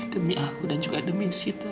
demi aku dan juga demi situ